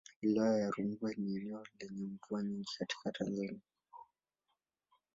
Wilaya ya Rungwe ni eneo lenye mvua nyingi katika Tanzania.